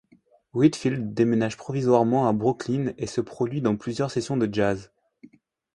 Whitfield déménage provisoirement à Brooklyn et se produit dans plusieurs sessions de jazz.